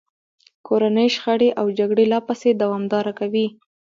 کورنۍ شخړې او جګړې لا پسې دوامداره کوي.